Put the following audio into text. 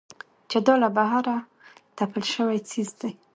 چې دا له بهره تپل شوى څيز دى.